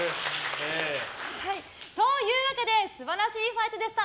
というわけで素晴らしいファイトでした。